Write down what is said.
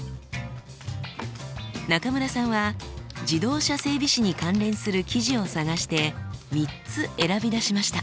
中村さんは自動車整備士に関連する記事を探して３つ選び出しました。